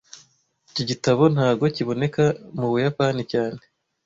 Iki gitabo ntago kiboneka mu Buyapani cyane